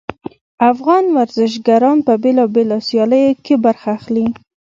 افغان ورزشګران په بیلابیلو سیالیو کې برخه اخلي